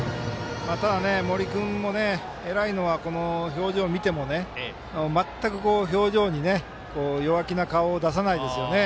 ただ、森君も偉いのは表情を見ても全く表情に弱気な顔を出さないですよね。